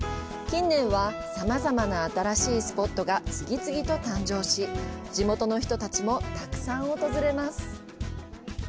近年はさまざまな新しいスポットが次々と誕生し、地元の人たちもたくさん訪れます。